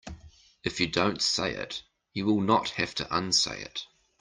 If you don't say it you will not have to unsay it.